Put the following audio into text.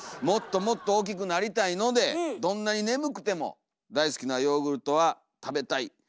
「もっともっと大きくなりたいのでどんなに眠くても大好きなヨーグルトは食べたい。